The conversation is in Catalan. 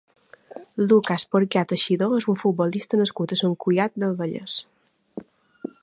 Lucas Porcar Teixidó és un futbolista nascut a Sant Cugat del Vallès.